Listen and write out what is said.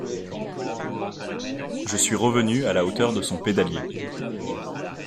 Je suis revenu à la hauteur de son pédalier.